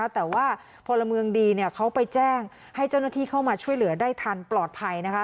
แต่ว่าพลเมืองดีเขาไปแจ้งให้เจ้าหน้าที่เข้ามาช่วยเหลือได้ทันปลอดภัย